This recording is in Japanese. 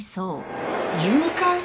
誘拐！？